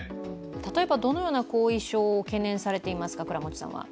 例えばどのような後遺症を懸念されていますか？